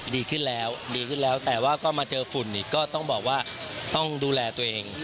ดีขึ้นแล้วดีขึ้นแล้วแต่ว่าก็มาเจอฝุ่นอีกก็ต้องบอกว่าต้องดูแลตัวเอง